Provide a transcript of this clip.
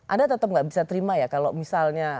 anda tetap nggak bisa terima ya kalau misalnya